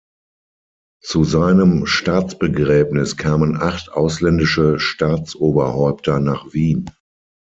Zu seinem Staatsbegräbnis kamen acht ausländische Staatsoberhäupter nach Wien.